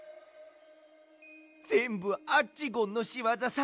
ぜんぶアッチゴンのしわざさ。